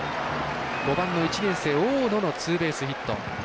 ５番の１年生、大野のツーベースヒット。